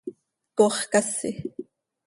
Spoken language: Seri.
¡Coox casi!